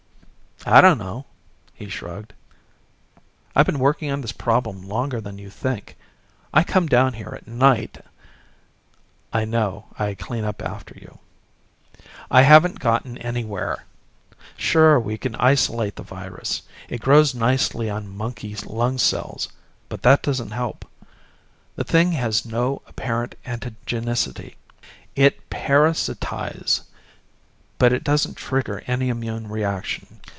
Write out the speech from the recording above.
"I don't know." He shrugged, "I've been working on this problem longer than you think. I come down here at night " "I know. I clean up after you." "I haven't gotten anywhere. Sure, we can isolate the virus. It grows nicely on monkey lung cells. But that doesn't help. The thing has no apparent antigenicity. It parasitizes, but it doesn't trigger any immune reaction.